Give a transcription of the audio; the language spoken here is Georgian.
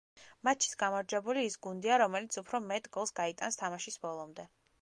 მატჩის გამარჯვებული ის გუნდია, რომელიც უფრო მეტ გოლს გაიტანს თამაშის ბოლომდე.